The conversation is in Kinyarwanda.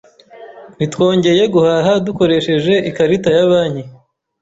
Ntitwongeye guhaha dukoresheje ikarita ya banki